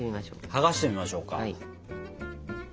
剥がしてみましょうか。